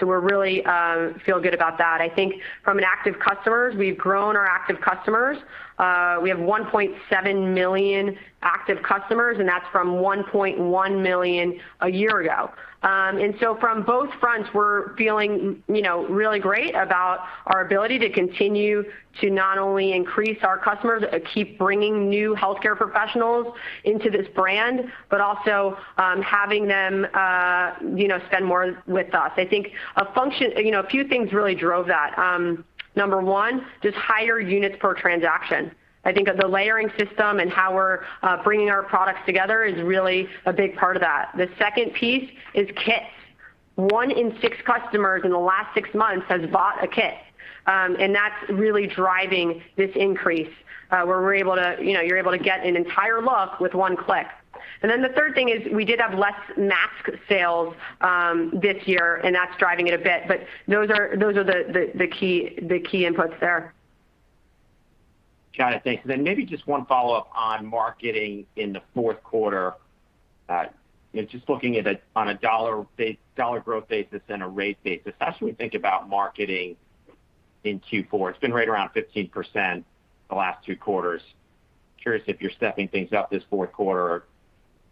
We really feel good about that. I think from an active customers, we've grown our active customers. We have 1.7 million active customers, and that's from 1.1 million a year ago. From both fronts, we're feeling, you know, really great about our ability to continue to not only increase our customers, keep bringing new healthcare professionals into this brand, but also, having them, you know, spend more with us. You know, a few things really drove that. Number one, just higher units per transaction. I think the layering system and how we're bringing our products together is really a big part of that. The second piece is kits. One in six customers in the last six months has bought a kit, and that's really driving this increase, where we're able to, you know, you're able to get an entire look with one click. The third thing is we did have less mask sales this year, and that's driving it a bit, but those are the key inputs there. Got it. Thanks. Maybe just one follow-up on marketing in the fourth quarter. You know, just looking at a dollar growth basis and a rate basis, how should we think about marketing? In Q4. It's been right around 15% the last two quarters. Curious if you're stepping things up this fourth quarter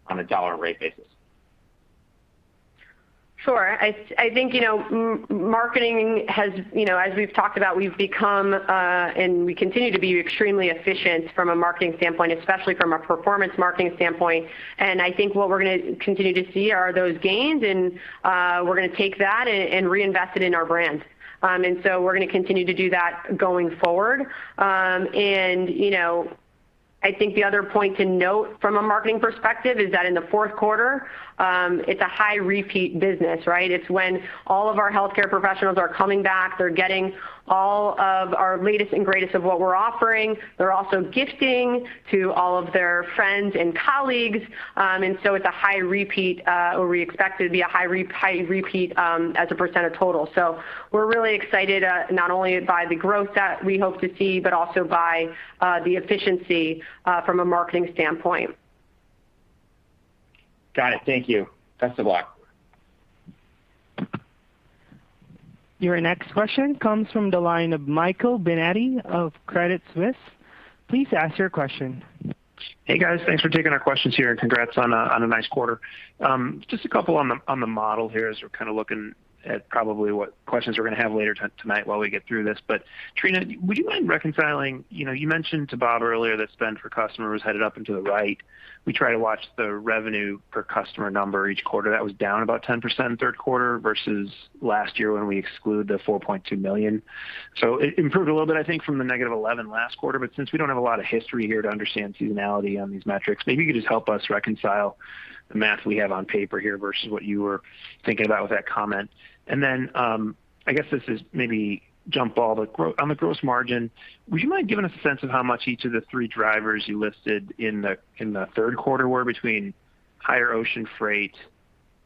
on a dollar rate basis. Sure. I think, you know, marketing has, you know, as we've talked about, we've become and we continue to be extremely efficient from a marketing standpoint, especially from a performance marketing standpoint. I think what we're gonna continue to see are those gains, and we're gonna take that and reinvest it in our brands. We're gonna continue to do that going forward. You know, I think the other point to note from a marketing perspective is that in the fourth quarter, it's a high repeat business, right? It's when all of our healthcare professionals are coming back. They're getting all of our latest and greatest of what we're offering. They're also gifting to all of their friends and colleagues. It's a high repeat, or we expect it to be a high repeat, as a percent of total. We're really excited, not only by the growth that we hope to see, but also by the efficiency, from a marketing standpoint. Got it. Thank you. Best of luck. Your next question comes from the line of Michael Binetti of Credit Suisse. Please ask your question. Hey, guys. Thanks for taking our questions here, and congrats on a nice quarter. Just a couple on the model here, as we're kinda looking at probably what questions we're gonna have later tonight while we get through this. Trina, would you mind reconciling. You know, you mentioned to Bob earlier that spend per customer was headed up into the right. We try to watch the revenue per customer number each quarter. That was down about 10% third quarter versus last year when we exclude the $4.2 million. It improved a little bit, I think, from the -11 last quarter, but since we don't have a lot of history here to understand seasonality on these metrics, maybe you could just help us reconcile the math we have on paper here versus what you were thinking about with that comment. Then, I guess this is maybe jump ball, but on the gross margin, would you mind giving a sense of how much each of the three drivers you listed in the third quarter were between higher ocean freight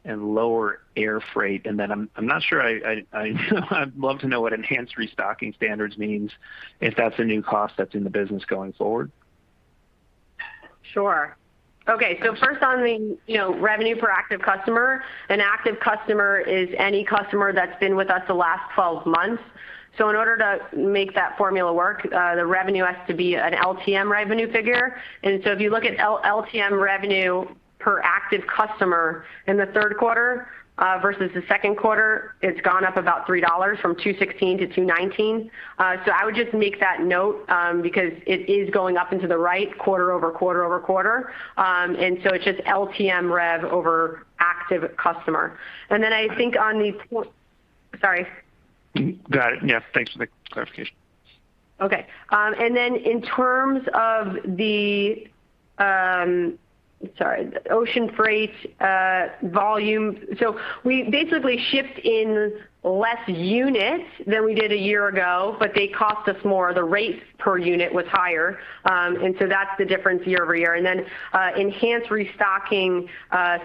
and lower air freight. Then I'm not sure, I'd love to know what enhanced restocking standards means, if that's a new cost that's in the business going forward. Sure. Okay. First on the, you know, revenue per active customer, an active customer is any customer that's been with us the last 12 months. In order to make that formula work, the revenue has to be an LTM revenue figure. If you look at LTM revenue per active customer in the third quarter, versus the second quarter, it's gone up about $3 from $216 to $219. I would just make that note, because it is going up and to the right quarter-over-quarter. It's just LTM rev over active customer. Got it. Yeah. Thanks for the clarification. Okay. In terms of the ocean freight volume. We basically shipped in less units than we did a year ago, but they cost us more. The rate per unit was higher. That's the difference year-over-year. Enhanced restocking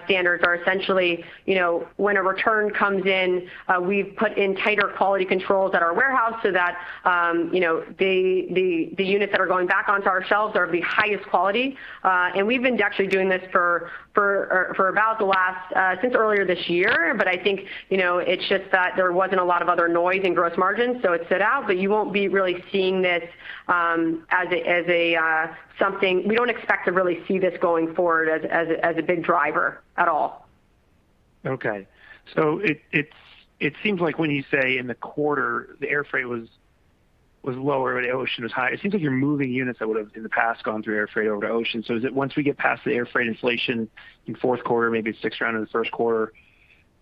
standards are essentially, you know, when a return comes in, we've put in tighter quality controls at our warehouse so that, you know, the units that are going back onto our shelves are the highest quality. We've been actually doing this for about the last since earlier this year. I think, you know, it's just that there wasn't a lot of other noise in gross margins, so it stood out. You won't be really seeing this. We don't expect to really see this going forward as a big driver at all. Okay. It seems like when you say in the quarter the air freight was lower and the ocean was high, it seems like you're moving units that would've in the past gone through air freight over to ocean. Is it once we get past the air freight inflation in fourth quarter, maybe it sticks around in the first quarter,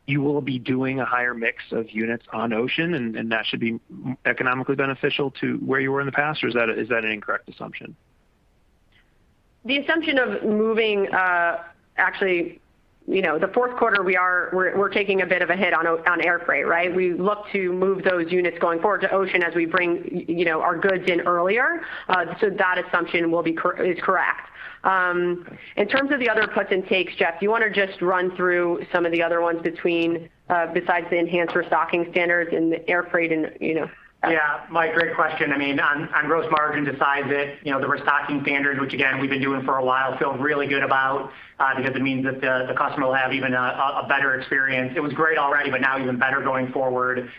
you will be doing a higher mix of units on ocean and that should be economically beneficial to where you were in the past or is that an incorrect assumption? The assumption of moving the fourth quarter we're taking a bit of a hit on air freight, right? We look to move those units going forward to ocean as we bring our goods in earlier. So that assumption is correct. In terms of the other puts and takes, Jeff, do you wanna just run through some of the other ones besides the enhanced restocking standards and the air freight? Yeah. Mike, great question. I mean, on gross margin, besides it, you know, the restocking standards, which again, we've been doing for a while, feel really good about, because it means that the customer will have even a better experience. It was great already, but now even better going forward.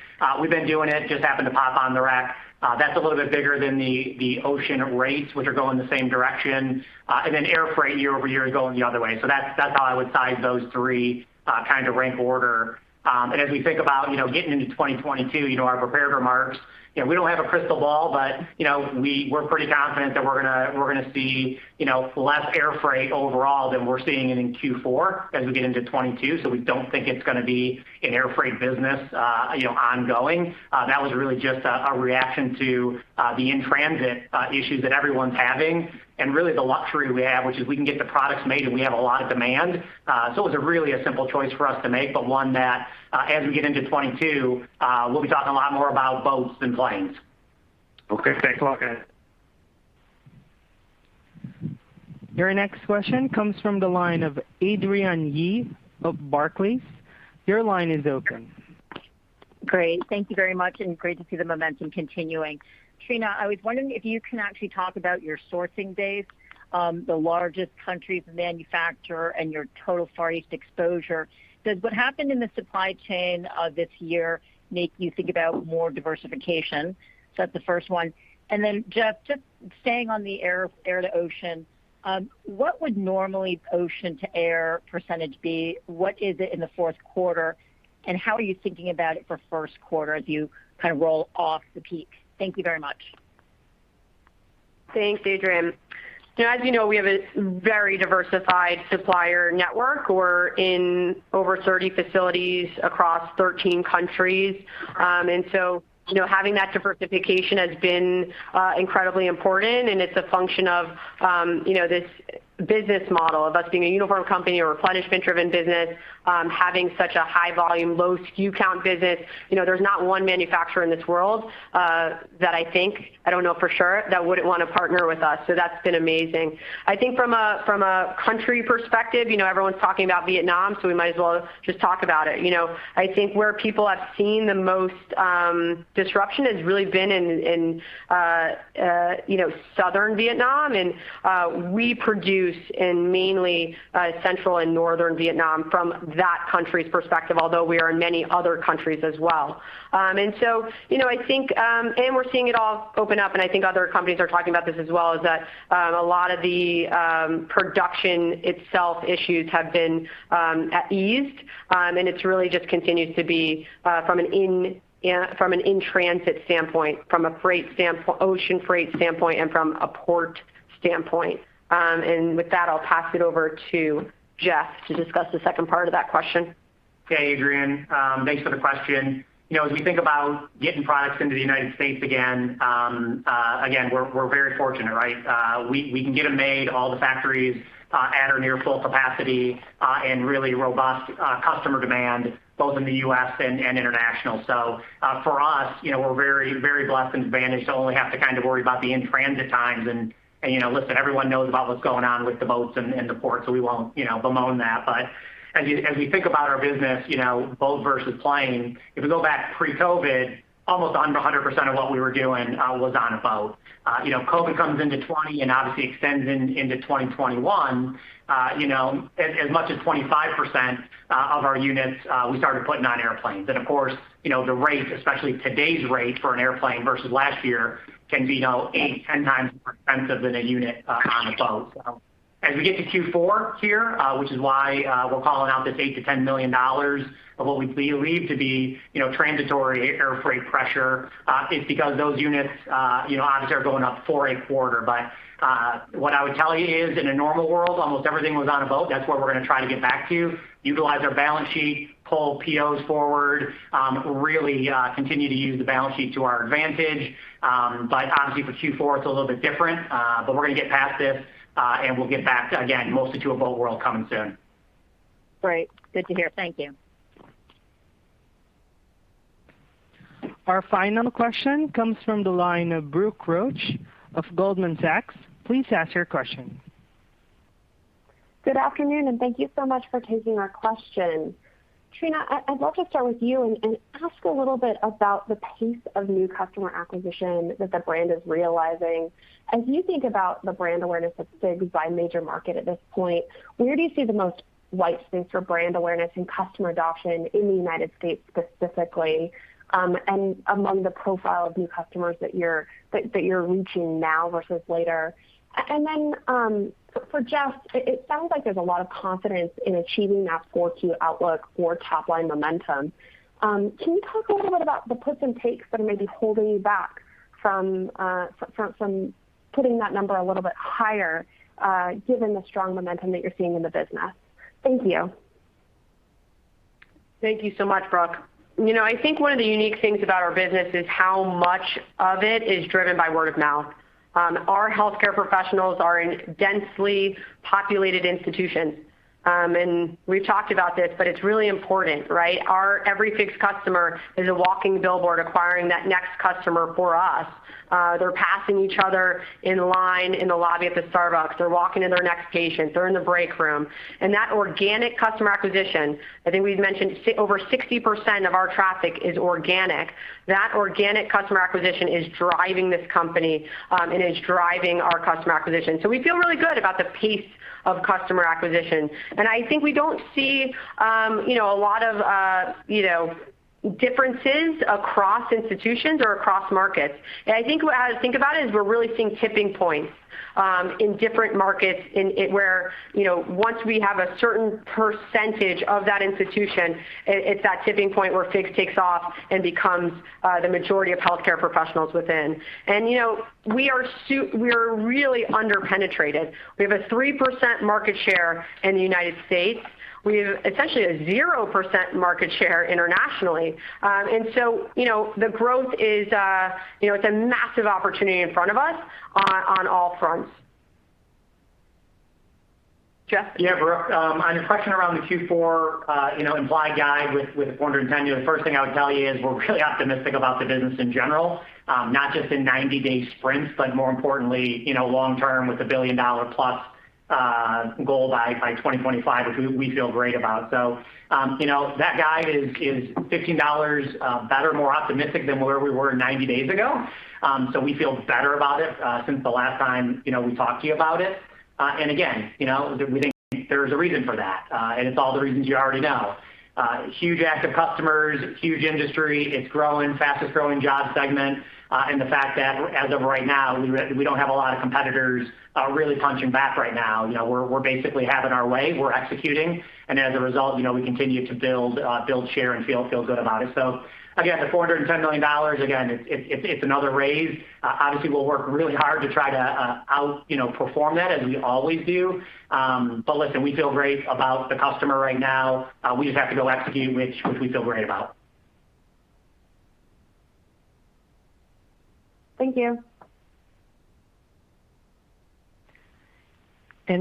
We've been doing it, just happened to pop on the rack. That's a little bit bigger than the ocean rates, which are going the same direction. And then air freight year-over-year is going the other way. So that's how I would size those three, kind of rank order. As we think about, you know, getting into 2022, you know, our prepared remarks, you know, we don't have a crystal ball, but, you know, we're pretty confident that we're gonna see, you know, less air freight overall than we're seeing it in Q4 as we get into 2022. We don't think it's gonna be an Air Freight business, you know, ongoing. That was really just a reaction to the in-transit issues that everyone's having and really the luxury we have, which is we can get the products made and we have a lot of demand. It was really a simple choice for us to make, but one that, as we get into 2022, we'll be talking a lot more about boats than planes. Okay. Thanks a lot, guys. Your next question comes from the line of Adrienne Yih of Barclays. Your line is open. Great. Thank you very much, and great to see the momentum continuing. Trina, I was wondering if you can actually talk about your sourcing days, the largest country's manufacturer and your total Far East exposure. Does what happened in the supply chain this year make you think about more diversification? That's the first one. Jeff, just staying on the air-to-ocean, what would normally air-to-ocean percentage be? What is it in the fourth quarter, and how are you thinking about it for first quarter as you kind of roll off the peak? Thank you very much. Thanks, Adrienne. As you know, we have a very diversified supplier network. We're in over 30 facilities across 13 countries. You know, having that diversification has been incredibly important, and it's a function of you know, this business model of us being a uniform company, a replenishment driven business, having such a high volume, low SKU count business. You know, there's not one manufacturer in this world that I think, I don't know for sure, that wouldn't want to partner with us. That's been amazing. I think from a country perspective, you know, everyone's talking about Vietnam, so we might as well just talk about it. You know, I think where people have seen the most disruption has really been in, you know, southern Vietnam. We produce in mainly central and northern Vietnam from that country's perspective, although we are in many other countries as well. You know, I think and we're seeing it all open up, and I think other companies are talking about this as well, is that a lot of the production itself issues have eased. It's really just continued to be from an in-transit standpoint, from a freight standpoint, ocean freight standpoint and from a port standpoint. With that, I'll pass it over to Jeff to discuss the second part of that question. Hey, Adrienne. Thanks for the question. You know, as we think about getting products into the United States again, we're very fortunate, right? We can get them made. All the factories at or near full capacity and really robust customer demand both in the U.S. and international. For us, you know, we're very blessed and advantaged to only have to kind of worry about the in-transit times. You know, listen, everyone knows about what's going on with the boats and the ports, so we won't, you know, bemoan that. But as we think about our business, you know, boat versus plane, if we go back pre-COVID, almost 100% of what we were doing was on a boat. You know, COVID comes into 2020 and obviously extends into 2021. You know, as much as 25% of our units we started putting on airplanes. Of course, you know, the rates, especially today's rate for an airplane versus last year can be, you know, 8-10 times more expensive than a unit on the boat. As we get to Q4 here, which is why we're calling out this $8 million-$10 million of what we believe to be, you know, transitory air freight pressure, is because those units, you know, obviously are going up for a quarter. What I would tell you is, in a normal world, almost everything was on a boat. That's what we're gonna try to get back to. Utilize our balance sheet, pull POs forward, really, continue to use the balance sheet to our advantage. Honestly, for Q4, it's a little bit different. We're gonna get past this, and we'll get back to, again, mostly both worlds coming soon. Great. Good to hear. Thank you. Our final question comes from the line of Brooke Roach of Goldman Sachs. Please ask your question. Good afternoon, and thank you so much for taking our question. Trina, I'd love to start with you and ask a little bit about the pace of new customer acquisition that the brand is realizing. As you think about the brand awareness of FIGS by major market at this point, where do you see the most white space for brand awareness and customer adoption in the United States specifically, and among the profile of new customers that you're reaching now versus later? And then, for Jeff, it sounds like there's a lot of confidence in achieving that full Q outlook for top line momentum. Can you talk a little bit about the puts and takes that are maybe holding you back from putting that number a little bit higher, given the strong momentum that you're seeing in the business? Thank you. Thank you so much, Brooke. You know, I think one of the unique things about our business is how much of it is driven by word of mouth. Our healthcare professionals are in densely populated institutions. We've talked about this, but it's really important, right? Our every FIGS customer is a walking billboard acquiring that next customer for us. They're passing each other in line in the lobby at the Starbucks. They're walking to their next patient. They're in the break room. That organic customer acquisition, I think we've mentioned over 60% of our traffic is organic. That organic customer acquisition is driving this company, and is driving our customer acquisition. We feel really good about the pace of customer acquisition. I think we don't see, you know, a lot of, you know, differences across institutions or across markets. I think what I think about it is we're really seeing tipping points in different markets in where, you know, once we have a certain percentage of that institution, it's that tipping point where FIGS takes off and becomes the majority of healthcare professionals within. You know, we are really under-penetrated. We have a 3% market share in the United States. We have essentially a 0% market share internationally. You know, the growth is, you know, it's a massive opportunity in front of us on all fronts. Jeff? Yeah, Brooke. On your question around the Q4, you know, implied guide with 410, the first thing I would tell you is we're really optimistic about the business in general. Not just in 90-day sprints, but more importantly, you know, long-term with a $1 billion-plus goal by 2025, which we feel great about. You know, that guide is $15 better, more optimistic than where we were 90 days ago. We feel better about it since the last time, you know, we talked to you about it. Again, you know, we think there is a reason for that. It's all the reasons you already know. Huge active customers, huge industry. It's growing, fastest growing job segment. The fact that as of right now, we don't have a lot of competitors really punching back right now. You know, we're basically having our way. We're executing. As a result, you know, we continue to build share and feel good about it. Again, the $410 million, again, it's another raise. Obviously, we'll work really hard to try to outperform that as we always do. Listen, we feel great about the customer right now. We just have to go execute, which we feel great about. Thank you.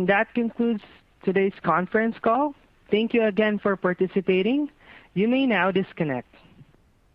That concludes today's conference call. Thank you again for participating. You may now disconnect.